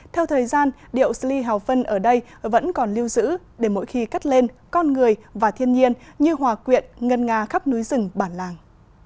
theo thời gian điệu sli hào phân ở đây vẫn còn lưu giữ để mỗi khi cắt lên con người và thiên nhiên như hòa quyện ngân nga khắp núi rừng bản làng